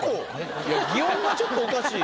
擬音がちょっとおかしい。